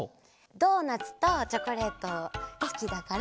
ドーナツとチョコレートがすきだから。